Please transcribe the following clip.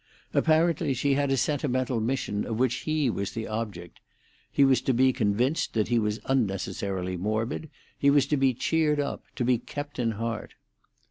Apparently, she had a sentimental mission of which he was the object; he was to be convinced that he was unnecessarily morbid; he was to be cheered up, to be kept in heart.